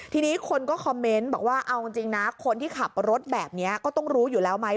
ทีนี้คนก็คอมเมนต์บอกว่าเอาจริงนะคนที่ขับรถแบบนี้ก็ต้องรู้อยู่แล้วไหม